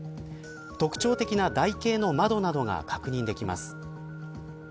特徴的な台形の窓などが確認できます。